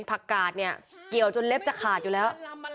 ผักกาดเนี่ยเกี่ยวจนเล็บจะขาดอยู่แล้ว